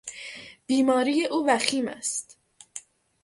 بیماری او وخیم است.